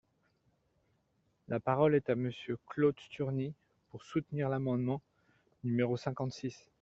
La parole est à Monsieur Claude Sturni, pour soutenir l’amendement numéro cinquante-six.